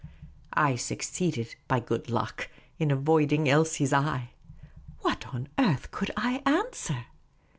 I succeeded, by good luck, in avoiding Elsie's eye. What on earth could I answer